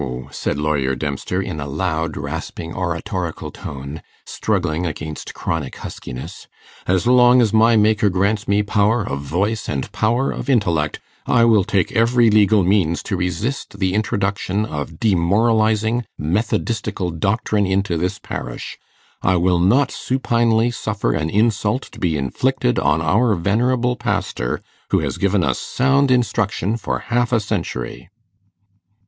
said lawyer Dempster, in a loud, rasping, oratorical tone, struggling against chronic huskiness, 'as long as my Maker grants me power of voice and power of intellect, I will take every legal means to resist the introduction of demoralizing, methodistical doctrine into this parish; I will not supinely suffer an insult to be inflicted on our venerable pastor, who has given us sound instruction for half a century.